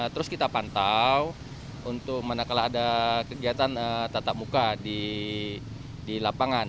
terus kita pantau untuk manakala ada kegiatan tatap muka di lapangan